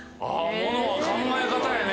ものは考え方やね。